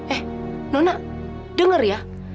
eh nona denger ya